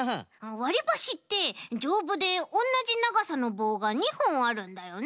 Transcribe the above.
わりばしってじょうぶでおんなじながさのぼうが２ほんあるんだよね？